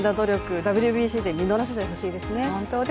ＷＢＣで実らせてほしいですね。